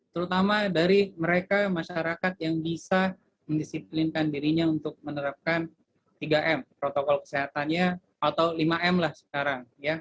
terutama dari mereka masyarakat yang bisa mendisiplinkan dirinya untuk menerapkan tiga m protokol kesehatannya atau lima m lah sekarang